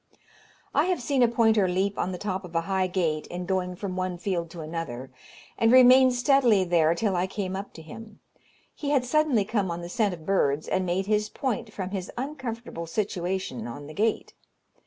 I have seen a pointer leap on the top of a high gate, in going from one field to another, and remain steadily there till I came up to him. He had suddenly come on the scent of birds, and made his point from his uncomfortable situation on the gate.